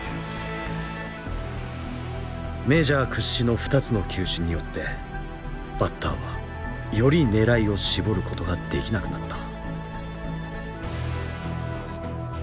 メジャー屈指の２つの球種によってバッターはより狙いを絞ることができなくなった。